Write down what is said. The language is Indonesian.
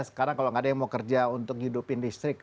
sekarang kalau nggak ada yang mau kerja untuk ngidupin listrik